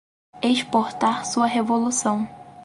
exportar sua Revolução